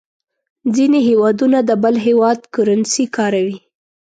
ځینې هېوادونه د بل هېواد کرنسي کاروي.